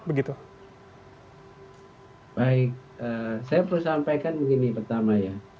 baik saya perlu sampaikan begini pertama ya